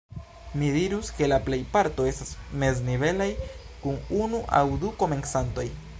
Mi dirus ke la plejparto estas meznivelaj, kun unu aŭ du komencantoj.